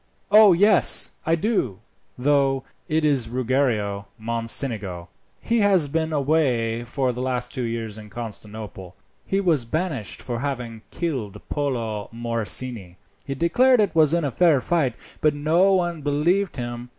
O yes, I do, though; it is Ruggiero Mocenigo; he has been away for the last two years at Constantinople; he was banished for having killed Polo Morosini he declared it was in fair fight, but no one believed him.